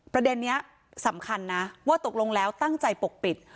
ประเด็นนี้สำคัญนะว่าตกลงแล้วตั้งใจปกปิด